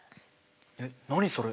えっ何それ？